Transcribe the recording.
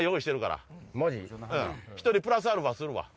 １人プラスアルファするわ。